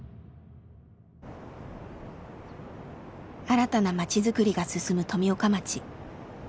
新たな町づくりが進む富岡町。